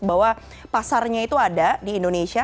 bahwa pasarnya itu ada di indonesia